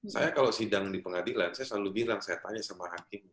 saya kalau sidang di pengadilan saya selalu bilang saya tanya sama hakim